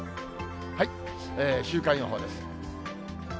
週間予報です。